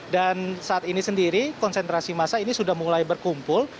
dan saat ini sendiri konsentrasi masa ini sudah mulai berkumpul